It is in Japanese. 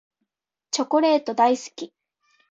チョコレート大好き。